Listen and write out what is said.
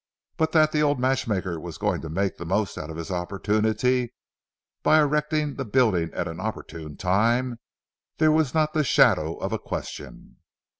But that the old matchmaker was going to make the most out of his opportunity by erecting the building at an opportune time, there was not the shadow of a question.